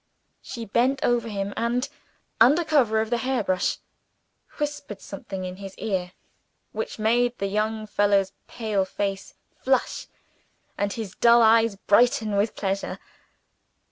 She bent over him; and, under cover of the hair brush, whispered something in his ear which made the young fellow's pale face flush, and his dull eyes brighten with pleasure.